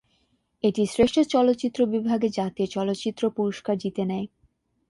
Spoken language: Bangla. এটি শ্রেষ্ঠ চলচ্চিত্র বিভাগে জাতীয় চলচ্চিত্র পুরস্কার জিতে নেয়।